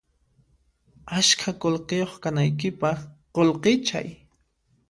Ashka qullqiyuq kanaykipaq qullqichay